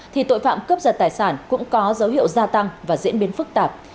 thì tội phạm cướp giật tài sản cũng có dấu hiệu gia tăng và diễn biến phức tạp